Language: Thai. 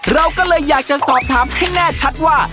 เราก็เลยอยากจะสอบถามให้แน่ชัดว่า